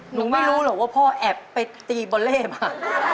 หนูไม่รู้หรอกว่าพ่อแอบไปตีบอลเล่มา